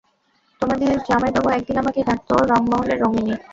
তোদের জামাইবাবু একদিন আমাকে ডাকত রঙমহলের রঙ্গিনী।